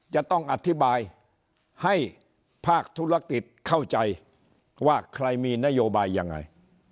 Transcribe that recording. จะต้องอธิบายให้ภาคธุรกิจเข้าใจว่าใครมีนโยบายยังไง